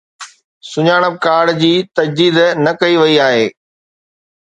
سڃاڻپ ڪارڊ جي تجديد نه ڪئي وئي آهي